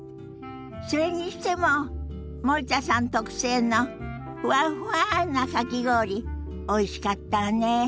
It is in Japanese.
それにしても森田さん特製のふわっふわなかき氷おいしかったわね。